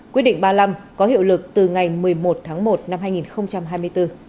quyết định ba mươi năm có hiệu lực từ ngày một mươi một tháng một năm hai nghìn hai mươi bốn